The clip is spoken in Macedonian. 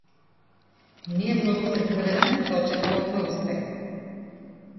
Ние многу се трудевме па очекуваме успех.